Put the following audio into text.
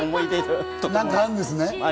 何かあるんですね。